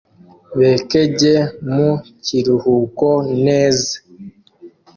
bekejye mu kiruhuko neze